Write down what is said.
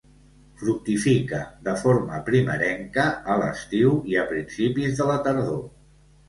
Fructifica, de forma primerenca, a l'estiu i a principis de la tardor.